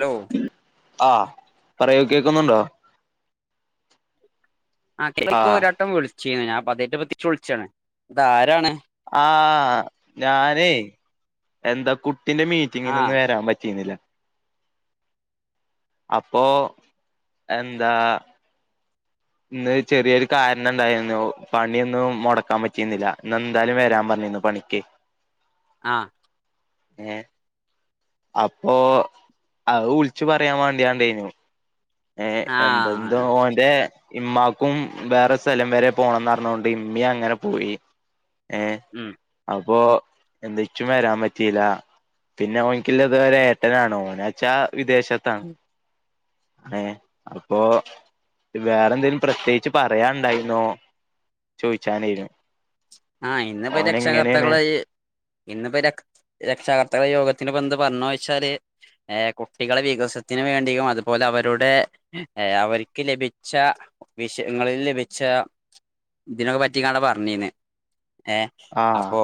Hello ആ പറയൂ കേക്ക്ന്നുണ്ടോ? ആ കേൾക്കോ ഒരട്ടം വിൾ ച്ചീ സു. ഞാപ്പ അതെറ്റു തിരിച്ച് വിൾച്ചാണ് ഇത് ആരാണ് ആ ഞാനേയ് എന്താ കു ത്തിന്റെ ആ മീറ്റിംഗിനിന്ന് വരാൻ പറ്റീന്നില. അപ്പോ എന്താ ഇന്ന് ചെറിയോര് കാരണം ഇണ്ടായിനു പണിയൊന്നും മൊടക്കാൻ പറ്റീന്നില. ഇന്നെന്തായാലും വെരാൻ പർണിന്നു പണിക്കെയ് ആ ഏ അപ്പൊ അഹ് വുൾച്ച് പറയാൻ വാണ്ടിയാണ്ടെയ്നു. ഏ ആ എന്തെന്തോ ഓന്റെ ഇമ്മാക്കും വേറെ സെലം വെരെ പോണം പർണോണ്ട് ഇമ്മീം അങ്ങനെ പോയി. ഏ ഉം അപ്പോ ഇന്ന് ഇച്ചും വരാൻ പറ്റീലാ പിന്നെ ഓൻക്ക്ള്ളത് ഒര് ഏട്ടനാണ് ഓനെച്ചാ വിദേശത്താണ് ഏ അപ്പോ വേറെ എന്തെലും പ്രത്യേകിച്ച് പറയാൻ ഇണ്ടായിരുന്നോ ചോയിച്ചാനെയ്രുന്നു. ആ ഇന്നപ്പം രക്ഷാകർത്തകളെ ഈ ഇന്നിപ്പം രക് രക്ഷാകർത്തകളെ യോഗ ത്തിന് എന്ത് പർണോയ്ച്ചാല് ഏ കുട്ടികളെ വികസത്തിന് വേണ്ടിയും അതുപോലെ അവരുടെ ഏ അവർക്ക് ലഭിച്ച വിഷയങ്ങളിൽ ലഭിച്ച ഇതിനൊ പറ്റിക്കാണ്ടാ പർണിനെ. ഏ ആഹ് അപ്പോ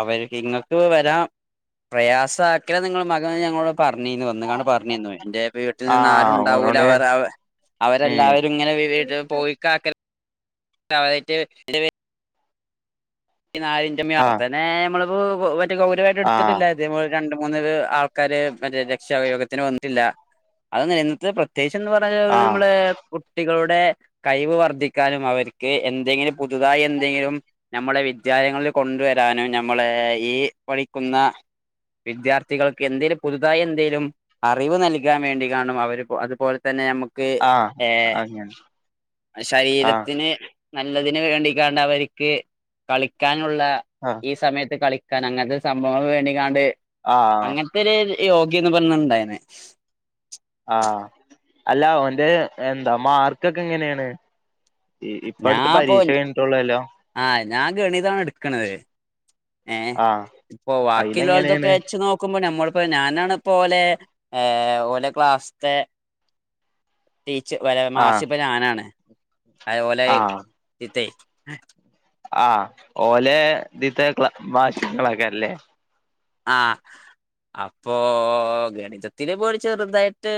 അവര് നിങ്ങക്ക് വരാം പ്രയാസ ആക്കൽ നിങ്ങളെ മകനെ ഞങ്ങളോടൊ പർഞ്ഞീന്നു വന്നുകാണ് പറഞ്ഞിന്നു എന്റെ വീട്ടിൽനിന്ന് ആഹ് ആരുണ്ടാവൂല ഓനോട് അവർ അവ ഉം അവരെല്ലാവരും ഇങ്ങനെ വി വീട്ടിൽ പോയിക്കാക്ക [unintelligible] ഈ [unintelligible] [unintelligible] ത് ആഹ് ഗൗരവായിട്ട് ആഹ് എടുത്തിട്ടില്ല ഇതേ പോൽ രണ്ട് മൂന്ന് പേ ആൾക്കാര് മറ്റേ രക്ഷാവയോഗത്തിന് വന്നിട്ടില്ല അത് നിത് പ്രത് ത്യേശം എന്ന് പറഞ്ഞാത്‌ ആഹ് നമ്മളേ കുട്ടികളോട് ടെ കഴിവ് വർദ്ധിക്കാനും അവര്ക്ക് എന്തെങ്കിലും പുതുതായി എന്തെങ്കിലും നമ്മളെ വി വിദ്യാലയങ്ങളില് കൊണ്ടുവരാനും നമ്മളേ ഈ പഠിക്കുന്ന വിദ്യാർത്ഥികൾക്ക് എന്തേലും പുതുതായി എന്തേലും അറിവ് നൽകാൻ വേണ്ടികാണും അവര് അതുപോൽ തന്നെ നമു ക്ക് ആഹ് ഏ അങ്ങനെ ആഹ് ശരീരത്തിന് നല്ലതിന് വേണ്ടിക്കാണ്ടവര്ക്ക് കളിക്കാൻ. നുള്ള ആഹ് ഈ സമയത്ത് കളി ക്കാൻ അങ്ങൻത്തെ സംഭവങ്ങൾ വേണ്ടിക്കാണ്ട് ആഹ് അങ്ങൻത്തെരേര് യോഗിന്ന് പർഞ്ഞ്ണ്ടായിന്ന് ആഹ് അല്ല ഓന്റെ എന്താ മാർക്കൊക്കെ എങ്ങനേണ്. ഞാപ്പൊ ആഹ് ഞാൻ ഗണിതാണ് എടുക്കണത് ഏഹ് ആഹ് ഇപ്പൊ ബാക്കിയുള്ളള്ളതൊക്കെ അയിലെങ്ങനെയാണ് വെച്ച് നോക്കുമ്പോ നമ്മളിപ്പോ ഞാനാണ് പ്പോ ഓലെ ഓലെ ക്ലാസ്സത്തെ ടീച്ച് വരാ ആഹ് മാഷിപ്പ ഞാനാണ് അത് ഓലെ ആഹ് ഇത്തേ ആഹ് ഓല് ഇത്തെ മാശ്ങ്ങളൊക്കെ അല്ലേ ആഹ് അപ്പോ ഗണിതത്തിന് പോല് ചെറുതായിട്ട്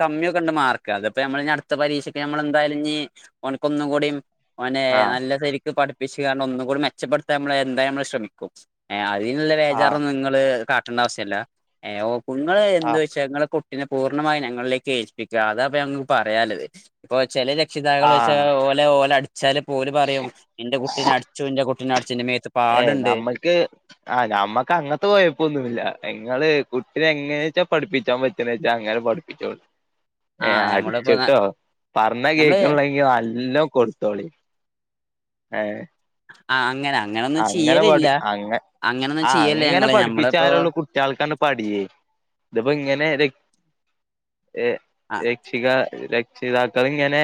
കമ്മിയൊക്കെണ്ട് മാർക്ക് അതിപ്പോ നമ്മൾ അടുത്ത പരീക്ഷക്ക് നമ്മൾ എന്തായാലും ഞി ഓന്ക്ക് ഒന്നും കൂടി ഓനെ ആഹ് നല്ല ശരി ഇത് പഠിപ്പിച്ച് കാരണം ഒന്നും കൂടി മെച്ചപ്പെടുത്താൻ നമ്മള് എന്തായാലും നമ്മ ശ്രമിക്കും അതിന്നല്ലെ ചാർ ആഹ് നിങ്ങള് ക ണ്ട ആവശ്യല്ല ഏഹ് ഓഹ് ഉങ്ങള് എന്ത്‌ ആഹ് വെച്ചാ ഇങ്ങളെ കു ട്ടിനെ പൂർണമായും ഞങ്ങളിലേക്ക് ഏൽപ്പിക്ക അതാ പ്പൊ ഞങ്ങ പറയാല്ലത് ഇപ്പൊ ചെലര രക്ഷിതാക്കള്ച്ച ആഹ് ഓല ഓല് അ ച്ചാല് പ്പോല് പറയും ഇന്റെ കുട്ടിനെ അടിച്ചു ഇന്റെ കു ന്ന അടി ഏ നമ്മക്ക് ആ നമ്മ അങ്ങത്തെ പോയപ്പോ ഒന്നുല്ല ങ്ങള് കുട്ടിനെ എങ്ങനെച്ചാ പഠിപ്പിച്ചാൻ പറ്റ്ണേച്ചാ അങ്ങനെ പഠ പ്പിച്ചോ ആ ഏ നമ്മളിപ്പോ അട്ച്ച്ട്ടോ പർഞ്ഞ നമ്മള് കേക്ക്ള്ളെങ്കി നല്ല നല്ലോം കൊടുത്തോളി ഏ ആ അങ്ങന അങ്ങനെ പട് അങ്ങ അങ്ങനൊന്നും ആ ചെയ്യല്ല അങ്ങനെ ഞങ്ങള് ഞമ്മളിപ്പോ പഠിപ്പിച്ചാലുള്ള കുട്ടികൾക്കാണ് പഠിയേ ഇതിപ്പോ ഇങ്ങനെ ഏ ആഹ് രക്ഷിക ര രക്ഷിതാക്കളിങ്ങനെ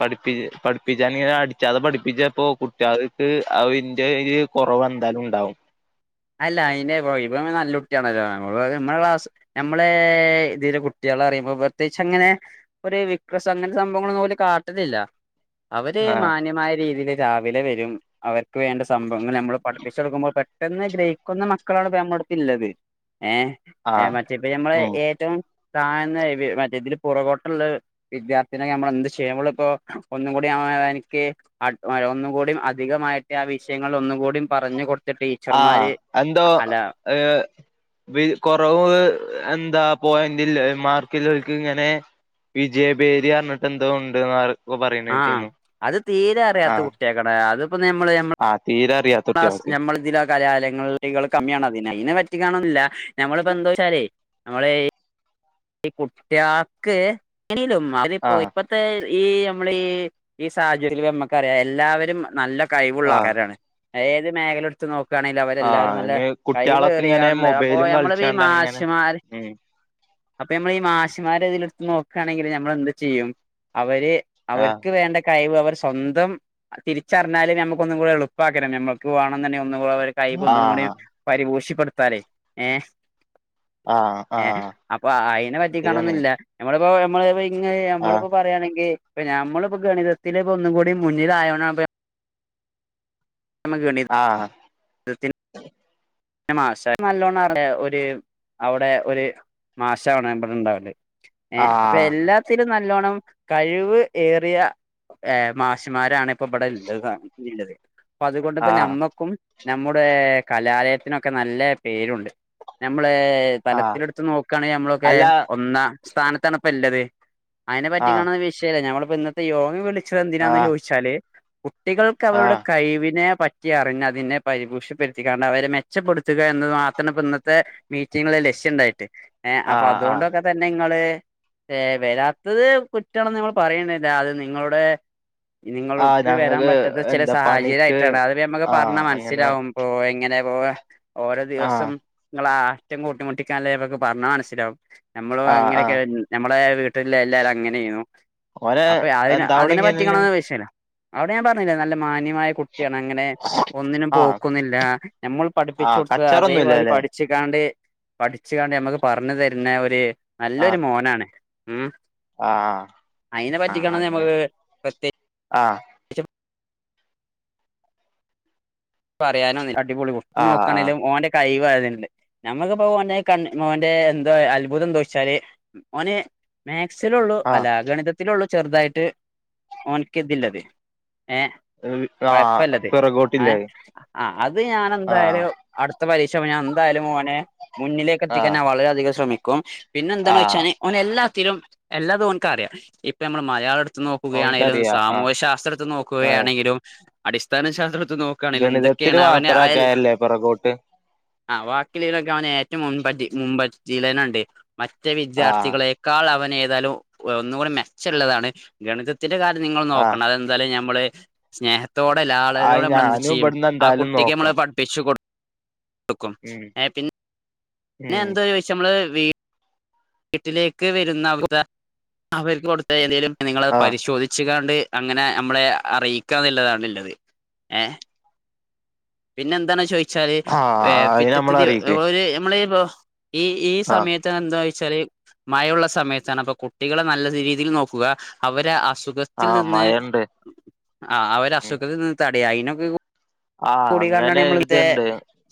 പഠിപ്പി പഠിപ്പിച്ചാന ഇങ്ങനെ അടിച്ചാതെ പഠിപ്പിച്ച കുട്ടികൾക്ക് ആ ഒരി കൊറവ് എന്തായാലും ണ്ടാവും അല്ല അയിന് ഇവൻ നല്ല കുട്ടിയാണല്ലോ നമ്മ നമ്മടെ ക്ലാസ് നമ്മളെ ഇതീല് കുട്ടിയള് അറിയുമ്പോ പ്രത്യേകിച്ച് അങ്ങനെ ഒരു വിക്രസ് അങ്ങനെ സംഭവങ്ങളൊന്നും ഓല് കാട്ടലില്ല അവര് ആഹ് മാന്യമായ രീതിയില് രാവിലെ വരും അവർക്ക് വേണ്ട സംഭവങ്ങൾ നമ്മള് പഠിപ്പിച്ചെടുക്കുമ്പോൾ പെട്ടെന്ന് ഗ്രഹിക്കുന്ന മക്കളാണ് ഇപ്പോ നമ്മളോടൊപ്പം ഉള്ളത് ഏ ആഹ് മറ്റേപ്പ ഞമ്മള് ഉം ഏറ്റവും താന്ന മറ്റേ ഇതില് പുറകോട്ടുള്ള വിദ്യാർത്ഥിനെ നമ്മള് എന്ത് ചെയ്യുമ്പോള ഇപ്പോ ഒന്നും കൂടി അവനിക്ക് ഒന്നും കൂടി അധികമായിട്ട് ആ വിഷയങ്ങളിൽ ഒന്നും കൂടിപറഞ്ഞു കൊടുത്തിട്ട് ആ എന്തോ വി കൊറവ് എന്താ പോയിന്റില് മാർക്ക് ഉള്ളോർക്ക് ഇങ്ങനെ വിജയഭേരി എന്ന് പറഞ്ഞിട്ട് എന്തോ ഉണ്ടെന്ന് ആ ആ അത് തീരെ അറിയാത്ത ആഹ് കുട്ടികൾക്കാണ് അതിപ്പോ ഞമ്മള് ഞമ്മള് ആഹ് തീരെ അറിയാത്ത ക്ലാസ്സ്‌ കുട്ടികൾക്ക് ഞമ്മള് കലാലയങ്ങള് കമ്മിയാണ് അതിനെ അയിനെ പറ്റിക്കാണല്ല നമ്മളിപ്പോ എന്തോച്ചാലേ നമ്മടെ ഈ ഈ കുട്ടിയാക്ക് എങ്ങനേലും അതിപ്പോ ആഹ് ഇപ്പത്തെ ഈ നമ്മടെ ഈ സാഹചര്യത്തിൽ നമ്മക്കറിയാം എല്ലാവരും നല്ല കൈവുള്ള ആഹ് ആൾക്കാരാണ് ഏത് മേഖല ട്ത്ത് നൊ ണല്ല ആഹ് അവരെല്ലാരും നല്ല അയിന് കൈ കുട്ടികളൊക്കെ വെറിയ ഇങ്ങനെ കാണല്ലേ അപ്പൊ മൊബൈലും ഞമ്മളഈ കളിച്ചാണ്ട് അങ്ങനെ മാശിമാര് ഉം മ്മ ഈ മാശിമാരെ ഇതിൽ എടുത്ത് നോക്കുകണെങ്കില് നമ്മൾ എന്ത് ചെയ്യും അവര് ആഹ് അവർക്ക് വേണ്ട കഴിവ് അവർ സ്വന്തം തിരിച്ചറിഞ്ഞാലും നമുക്കൊന്നും കൂടെ എളുപ്പാക്കണം നമ്മക്ക് വേണം തന്നെ [unintelligible] കൈ ആഹ് പരിപോഷി പടുത്താര ഏ ആഹ ആഹ ആ അതിനെ പറ്റിക്കണൊന്നില്ല നമ്മടെ ഇ ആഹ് നമ്മളിപ്പോ പറയയാണെങ്കിൽ ഇപ്പ ഞമ്മളിപ്പോ ഗണിതത്തില ഇപ്പ ഒന്നും കൂടി മുന്നിലയോ മ ആഹ് മാ നല്ലോല്ല ഒരു അവിടെ ഒരു മാശാണ് ഇടെ ഇണ്ടാവല് ഏ അപ്പൊ ആഹ് എല്ലാത്തിലും നല്ലോണ്ണം കഴിവ് ഏറിയ മാഷിമാരാണ് ഇപ്പൊ പടല ഇണ്ട് കാല്ലേ പതുകൊണ്ടപ്പന്നെ ആഹ് അമ്മക്കും നമ്മുടെ കലാലയത്തിനൊക്കെ നല്ല പേരുണ്ട് നമ്മ നമ്മള ആഹ് തലത്തിലെടുത്ത് നോക്കുകയാണെങ്കിൽ നമ്മളൊക്കെ അല്ല ഒന്നാ സ്ഥാനത്താണപ്പ ഇല്ലതെ അതിനെ പറ്റി ആഹ് കാണുന്ന വിഷയല്ല ഞമ്മള് അപ്പ ഇന്നത്തെ യോഗ വിളിച്ച എന്തിനാന്ന് ആഹ് ചോദിച്ചാല് കുട്ടികൾക്ക് അവരുടെ ആഹ് കൈവി ഇതിനെ പറ്റി അറിഞ്ഞ അതിനെ പരിപൂക്ഷപ്പെടുത്തിക്കാണ്ട് അവരെ മെച്ചപ്പെടുത്തുക എന്ന മാത്രം ഇപ്പ ഇന്നത്തെ മീറ്റിങ്ങില് ലക്ഷ്യം ഉണ്ടായിട്ട് ഏഹ അപ്പൊ ആഹ് ആഹ് അതുകൊണ്ടൊക്കെ തന്നെ നിങ്ങള് ഏർ വരാത്തത് കുറ്റമാണ് നമ്മൾ പറയണ്ടില്ല അത് നിങ്ങളുടെ ആഹ് നിങ്ങൾക്ക് വരാൻ ഞങ്ങക്ക് പറ്റാത്ത ചില എന്താ സാഹചര്യമായി് പണിക്ക് അത് നമുക്ക് ആഹ് പറഞ്ഞാൽ അങ്ങനെ മനസ്സിലാവും ഇപ്പോ എങ്ങനെ ഓ ഓരോ ആഹ് ദിവസം നിങ്ങളാ റ്റവും കൂട്ടിമുട്ടിക്കാലക്ക് പറഞ്ഞാ മനസ്സിലാവും നമ്മള് ആഹ് ഇങ്ങനെയൊക്കെ ആഹ് നമ്മളെ വീട്ടില എല്ലാരും അങ്ങനെ ആയിരുന്നു ഓന് അപ്പൊ അതിനന് എന്താ അതിനെ അവിടെങ്ങനല്ലേ പറ്റിക്കണംന്ന് വിശല്ല അവിടെ ഞാൻ പറഞ്ഞില്ലേ നല്ല മാന്യമായ ണ് അങ്ങനെ ഒന്നിനും ആഹ് പോക്കുന്നില്ല ഞമ്മൾ പഠിപ്പിച്ചു ആഹ് കൊടുത്തത് അതേപതി കച്ചറൊന്നുംല്ലല്ലേ പഠിച്ചിക്കാണ്ട് പഠിച്ചു കണ്ട് നമ്മക്ക് പറഞ്ഞഞ് തരുന്ന ഒരു നല്ലൊരു ആഹ് മോനാണ് ഉം ആഹ് അയിനെ ആഹ് പറ്റിക്കണമെന്ന് അങ്ങനെ ഞമ്മക്ക് പ്രത്യേ ആഹ് ഇച്ച പറയാനോന്നുല്ല അടിപൊളി ർത്ത് ആഹ് ആഹ് നോക്കാണെലും ഓന്റെ കൈവ ദൻലെ നമ്മുക്കിപ്പോ മോൻ്റെ കണ്ണ് മോന്റെ എന്തോ അത്ഭുതം എന്തോച്ചാല് ഓന് മെ ക്സിലുള്ളു ആഹ് അലാഗണിതത്തിലുള്ളു ചെറുതായിട്ട് ഓൻക്കതില്ലത് ആ് ഏ പിറകോട്ടില്ലായി ആ അത് ഞാന് എന്തായാലും അടു ത്ത പരീക്ഷവുമ്പോ ഞാൻ എന്തായാലും മോനെ മുന്നിലേക്ക് എത്തിക്കാന് ആഹ് ഞാൻ വളരെയധികംശ്രമി കോം പിന്നെ എന്താന്ന് ആഹ് ഓയ്ച്ചാന് ഓന്എല്ലാ ത്തിലും എല്ലതു ഓൻക്കാറിയാ ഇപ്പൊ നമ്മൾ മലയാള നോക്കുകയാണെലും ഓൻക്കറിയാ സാമൂഹ്യ ശാസ്ത്രത്തിൽ നോക്കുകയാണെങ്കിലും അടിസ്ഥാന ശാസ്ത്രത്വ ഗണിതത്തിന് മാത്രക്കെ ല്ലേ പിറകോട്ട് ആ വാക്കിലെ വനെ ഏറ്റവും മുൻപന്തി മുൻപ ജീലൈനേണ്ട് മറ്റ ആഹ് വിദ്യാർത്ഥികളെക്കാൾ അവൻ ന്നെതാലു ഒന്നു കൂടി മെച്ചള്ളതാണ് ഗണിത ത്തിന്റെ കാര്യം നിങ്ങള് ആഹ് നോക്കണം അത് എന്താലും ഞാൻ മ്മളെ സ്നേഹ ത്തോടെല്ല ആയി ലാളലോടെ മ്മള് ഞാനും ഉം ഇവിടുന്ന് ആ എന്തായാലും കുട്ടിക്ക് നമ്മള് നോക്കാം പഠിപ്പി ത്ത് കൊട് ഒക്കും ഉം ഏ പി പിന്നെ ഉം എന്താ ചോദിച്ച നമ്മള് വേ ട്ടിലേക്ക് വരുന്ന അവസ്ഥ അവർക്ക് കൊടുത്ത ഏതേലും നിങ്ങളൾഹ് ആഹ് പരിശോധിച്ചിക ണ്ട് അങ്ങനെ നമ്മളെ അറിയിക്കാ എന്നുള്ളതാണ്ള്ളത് ഏ പിന്നെ എന്ത ചോ വച്ചാല് ആഹ് വെ അയിന് നമ്മളെ പിറ്റത്തത് ഒ അറിയിക്ക് ഒരു നമ്മള ഇ പ്പോ ഈ ഈ ആഹ് സമയത്ത് എന്താ ചെറിയ മഴയുള്ള സമയത്താണ് അപ്പൊ കുട്ടികളെ നല്ല രീതിയിൽ നോക്കുക അവരെ അസു അസുഖത്തിൽ ആഹ് നിന്ന് മഴണ്ട് ആ അവര് അസുഖത്തിൽ നിന്ന് ത അവിടെ ആയിനൊക്കെ ആഹ അങ്ങനെ ഒരുളതുണ്ട്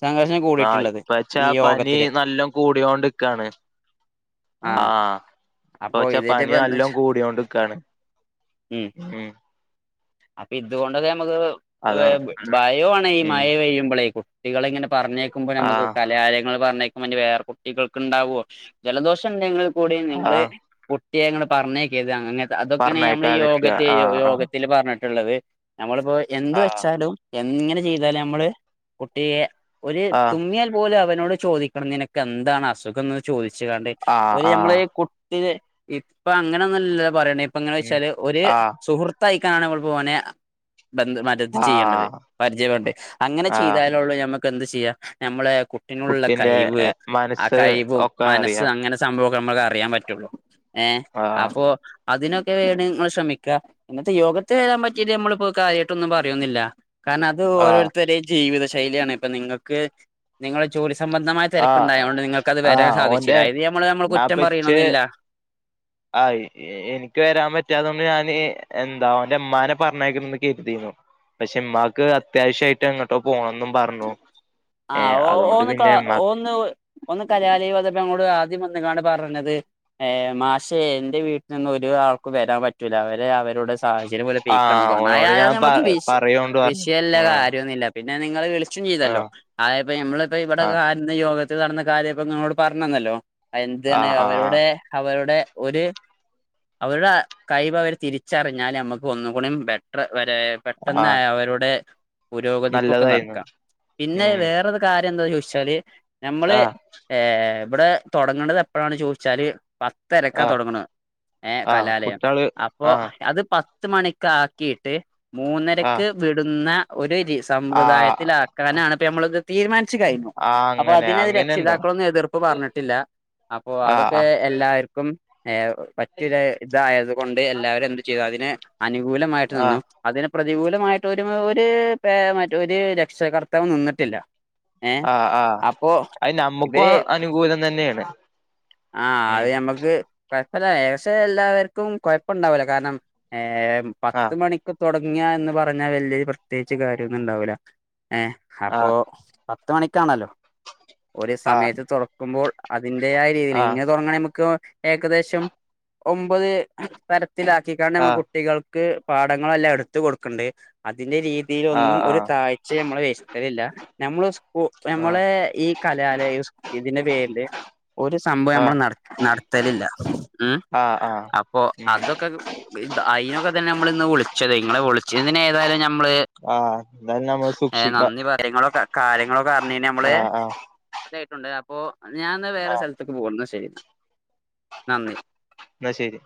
സംഘർഷം ആ കൂടിയിട്ടുള്ളത് ഇപ്പ വച്ചാ പനി യോഗത്തില് നല്ല കൂടോണ്ടിക്കാണ് ആ ആഹ ഇപ്പ അപ്പൊ വെച്ചാ ഇതിന്റെ പനി ഇപ്പ എന്താ നല്ല വെച്ചാ കൂടോണ്ടിക്കാണ് ഉം ഉ അപ്പൊ ഇതുകൊണ്ടത നമുക്ക് വ അതാ ഭയആണ ഈ ഉം മഴ പെയ്യുമ്പോളേക്കു ട്ടികളെങ്ങനെ പറഞ്ഞേക്കുമ്പോ നമുക്ക് ആഹ് കലാലയങ്ങള് പറഞ്ഞ മ വേറെ കുട്ടികൾക്ക് ഉണ്ടാവോ? ജലദോഷം ഇണ്ടെങ്കിൽ കൂടി നിങ്ങളെ ആഹ് കു ക്ഷേ നിങ്ങള് പറഞ്ഞേക്കരുത് അങ്ങ അതൊക്കെയാണ് ഞമ്മള് യോഗ പറഞ്ഞയക്കാതിരിക്ക ചെയ്യ ആഹ് യോഗത്തിൽ പറഞ്ഞിട്ട് എള്ളത് നമ്മളിപ്പോ എന്ത് ആഹ് വെച്ചാലും എങ്ങനെ ചെയ്താല നമ്മള് കുട്ടിയെ ഒരു ആഹ് തുമ്മിയാൽ പോലും അവനോട് ചോദിക്കണം നിനക്ക എന്താണ്സുഖം എന്ന് ചോദി ച്ചാണ്ട് ആഹ് ആഹ് ഒരു ഞമ്മള് ആഹ് കുട്ടിടെ ഇപ്പ അങ്ങനെയൊന്നും അല്ലല്ലോ പറയണേ? ങ്ങന ഉം വെച്ചാല് ഒരു ആഹ് സുഹൃത്തായി കാണുവൾ പോന ബന്ത് മരത്ത് ചെയ്യേണ്ടത് ആഹ് പരിചയം ഉണ്ട് അങ്ങനെ ആഹ് ചെയ്താല ഉള്ളൂ ഞമ്മക്ക് ക്ക് എന്ത് ചെയ്യാ ഞമ്മള് കുട്ടിനുള്ളിലെ കുട്ടിന്റെ കഴിവ് ആ മനസ്സ് കഴിവ് ഒക്കെ മനസ്സ് അറിയാം അങ്ങനെ സംഭവ നമ്മളെ അറിയാൻ പറ്റുള്ളൂ. ഏഹ ആഹ് അപ്പോ അതിനൊക്കെ വേണ നിങ്ങൾ ശ്രമി [unintelligible] ഇന്നത്തെ യോഗ തരാൻ പറ്റിട്ട് നമ്മളിപ്പോ കാര്യട്ടൊന്നും പറയന്നുല്ല. കാരണം അത് ആഹ് ഓരോരുത്തരുടെ ജീവിത ശൈ ശൈലിയാണ് ഇപ്പ നിങ്ങൾക്ക് നിങ്ങളുടെ ജോലി സംബന്ധമായ ആഹ് തിരക്കുണ്ടായതുകൊണ്ട് നിങ്ങൾക്ക്ത് വരാൻ ആഹ് ഓന്റെ സാധിച്ചില്ല അത് നമ്മൾ നമ്മ കുറ്റം ഞാൻപ്പ ഇച്ച് പറയണമെന്നില്ല ആഹ് എനിക്ക് വരാൻ പറ്റാതുകൊണ്ട് ഞാൻ എന്താ എറെ അമ്മാനെ പറഞ്ഞേക്കന്ന് കരുതിീു പക്ഷെ ഉമ്മാക്ക് അത്യാവശ്യയിട്ട് അങ്ങോട്ടോ പോണംെന്നും പറഞ്ഞു ആ ഏഹ് ഓ അതോണ്ട് ഓന്ന് പിന്നെ ഇമ്മാ ഓന്ന് ഒന്ന് കലാലയ ആദ്യം ഒന്നങ്ങാണ് പറഞ്ഞത് മാഷ എന്റെ വീട്ടിൽന്നും ഒരു ആൾക്ക് വരാൻ പറ്റൂല അവര് അവരുടെ സാഹചര്യം പോലെ ആഹ് പെയിക്കണംക്കെ പറ ഓനോട് അത് ഞാൻ പ നമ്മക്ക് വി പറയോണ്ട് പറഞ്ഞു വിഷയല്ല ആഹ് കാര്യമൊന്നുമ ഇല്ല പിന്നെ നിങ്ങൾ വിള ചെയ്തല്ലോ ആഹ് അത നമ്മളിപ്പോ ഇവിടെ ലോകത്തിൽ നടന്ന കാര്യം ഇപ്പൊ നിങ്ങളോട് പറഞ്ഞു തന്നല്ലോ എന്താണ് ആഹ് ആഹ് ആഹ് അവരുടെ അവരുടെ ഒരു അവരുടെ കഴിവ് അവര് തിരിച്ചറിഞ്ഞാല് നമ്മുക്ക് ഒന്ന കൂടി ബെറ്റർ വരെ പെട്ടെന്ന് ആഹ് അവരുടെ പുരോഗതിക്കൊക്കെ നല്ലതായിരുന്നു നടക്കാം പിന്നെ ഉം കാര്യം എന്താന്ന് ചോദിച്ചാല് നമ്മള് ആഹ് ഏഹ ഇവിടെ തുടങ്ങണ്ടത് എപ്പോഴാണ് ചോദിച്ചാല് പത്തരക്ക ആഹ് തുടങ്ങണ ഏഹ ആഹ് കലാലയം കുട്ട്യാള് അപ്പൊ ആഹ് അത് പ പത്ത് മണിിക്ക ആാക്കീട്ട് മൂന്നരക്ക് ആഹ് വിടുന്ന ഒരു ആഹ് സമ്പ്രദായത്തിലാക്കാനാണ് നമ്മ തീരുമാനം കഴിഞ്ഞു ആഹ് അപ്പൊ അങ്ങനെ അതിനത് അങ്ങനെണ്ടോ രക്ഷിതാക്കളൊന്നും എതിർപ്പ് പറഞ്ഞിട്ടില്ല അപ്പൊ അതൊക്കെ ആഹ് എല്ലാവർക്കും ഏഹ മറ്റിയരു ഇതായത് കൊൊണ്ട് എല്ലാവരും എന്ത്തു ചെയ്തു അതിന് അനുകൂലമായിട്ട് നിന്നു ആഹ് അതിന് പ്രതികൂലമായിട്ട് ഒരു ഒരു മറ്റ ഒരു രക്ഷകർത്താവ് നിന്നിട്ട് ല്ല ആ ആഹ് അത് നമ്മുക്കും അനുകൂലം തന്നെയാണ് ആ അത് ഞമ്മക്ക് [unintelligible] ആഹ് പത്ത് മണിക്ക് തുടങ്ങിയ എന്ന് പറഞ്ഞാൽ വലിയൊരു പ്രത്യേകിച്ച് കാര്യഓന്നുണ്ടാവൂല്ല ഏ അപ്പൊ ആഹ് പത്ത് മണിക്ക് ആഹ് [unintelligible] അതിന്റെയാ ഇങ്ങ തുങ്ങണെ നമക്ക് എക ദേഷം ഒൻപത് [unintelligible] [unintelligible] ആഹ് കുട്ടികൾ ക്ക് പാടങ്ങളെല്ലാം എടുത്ത് കൊടുക്കുന്നുണ്ട് അതിന്റെരീ തിലൊന്നും ആഹ് ഒരു ആഹ് താഴ്ച നമ്മള്ള് [unintelligible] ഞമ്മള് ഉസ് ഉ ആഹ് നമ്മള് ഈ കലാലയം ഇന്റെ പേരില് ഒരു സംബം ആഹ് നമ്മൾ ആഹ് നട നടത്തലില്ല ഉം ആഹ് ആഹ് അപ്പോ ഉം അതൊക്കെ അയി നൊ ത്ത ഞമ്മള്ന്ന് വ്ള്ച്ചതെ ഇങ്ങളെ വൊളിച്ചതിന് ഏതായാലും ന മള് ആഹ് എന്തായാലും നമ്മള് എഹ് സൂക്ഷിക്ക നന്ദിപറ്യ ഇങ്ങളൊക്കെ കാര്യങ്ങളൊക്കെ അർഞ്ഞേനമ്മള് ആഹ് ആഹ് ണ്ട് അപ്പോ ഞാന്ന വേറെ ആഹ് സ്ഥല ന്ന ശെരി ന്ന നന്ദി ന്ന ശെരി